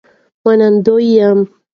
منندوی یم